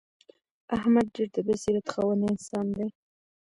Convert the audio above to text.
احمد ډېر د بصیرت خاوند انسان دی.